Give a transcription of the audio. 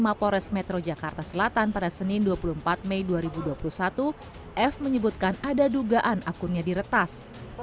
mapores metro jakarta selatan pada senin dua puluh empat mei dua ribu dua puluh satu f menyebutkan ada dugaan akunnya diretas